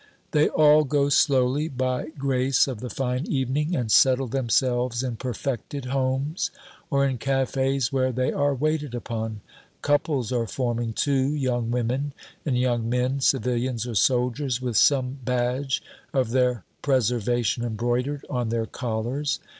They all go slowly, by grace of the fine evening, and settle themselves in perfected homes, or in cafes where they are waited upon. Couples are forming, too, young women and young men, civilians or soldiers, with some badge of their preservation embroidered on their collars.